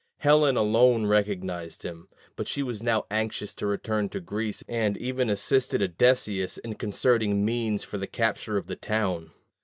Helen alone recognized him; but she was now anxious to return to Greece, and even assisted Odysseus in concerting means for the capture of the town.